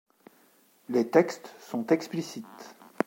Les textes sont explicites.